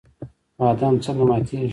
بادام څنګه ماتیږي؟